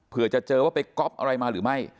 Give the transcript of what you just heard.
เพื่อจะเจอว่าไปก๊อปอะไรมาหรือไม่